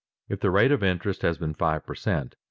If the rate of interest has been five per cent.